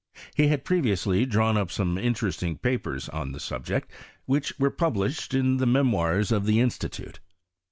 He had previously drawn up some interesting papers on the subject, which were published in the Memoirs of the Institute.